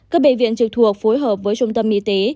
các bệnh viện trực thuộc phối hợp với trung tâm y tế